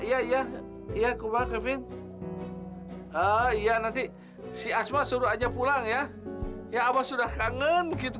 iya iya iya kebak kevin oh iya nanti si asma suruh aja pulang ya ya abah sudah kangen gitu